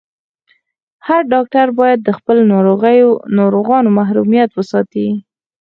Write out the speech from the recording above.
هر ډاکټر باید د خپلو ناروغانو محرميت وساتي.